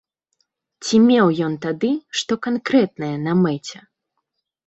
Ці меў ён тады што канкрэтнае на мэце?